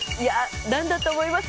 何だと思います？